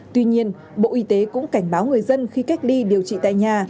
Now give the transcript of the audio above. tuy nhiên bộ y tế cũng cảnh báo người dân khi cách ly điều trị tại nhà